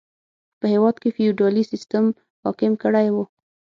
په هېواد کې فیوډالي سیستم حاکم کړی و.